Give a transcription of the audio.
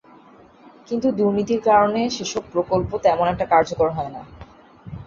কিন্তু দুর্নীতির কারণে সেসব প্রকল্প তেমন একটা কার্যকর হয় না।